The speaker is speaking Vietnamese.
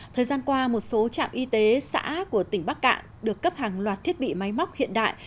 thời gian qua một số trạm y tế xã của tỉnh bắc cạn được cấp hàng loạt thiết bị máy móc hiện đại